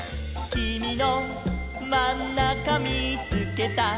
「きみのまんなかみーつけた」